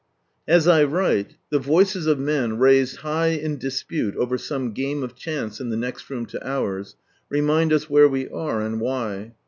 As I write the voices of men, raised high in dispute over some game of chance in the next room to ours, remind us where we are, and why.